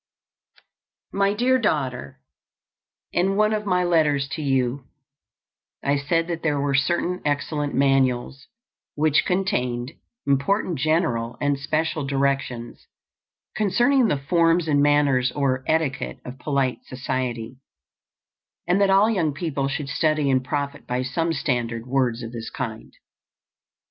My Dear Daughter: In one of my letters to you, I said that there were certain excellent manuals which contained important general and special directions concerning the forms and manners or etiquette of polite society, and that all young people should study and profit by some standard works of this kind.